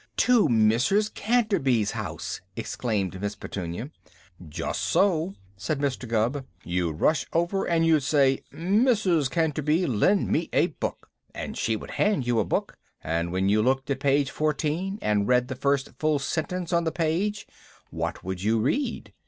"To Mrs. Canterby's house!" exclaimed Miss Petunia. "Just so!" said Mr. Gubb. "You'd rush over and you'd say, 'Mrs. Canterby, lend me a book!' And she would hand you a book, and when you looked at page fourteen, and read the first full sentence on the page, what would you read?"